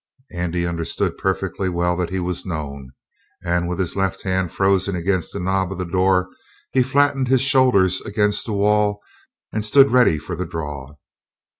Andy understood perfectly that he was known, and, with his left hand frozen against the knob of the door, he flattened his shoulders against the wall and stood ready for the draw.